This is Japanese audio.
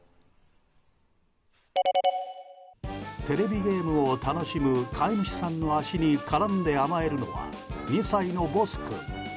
テレビゲームを楽しむ飼い主さんの足に絡んで甘えるのは２歳のボス君。